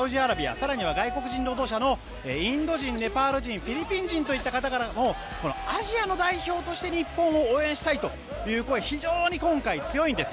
更には外国人労働者のインド人ネパール人フィリピン人の方からもアジアの代表として日本を応援したいという声非常に今回、強いんです。